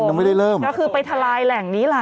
แล้วคือไปทรายแหล่งนี้ล่ะ